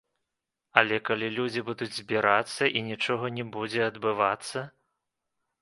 Але калі людзі будуць збірацца і нічога не будзе адбывацца?